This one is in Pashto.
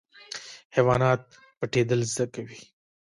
حیوانات پټیدل زده کوي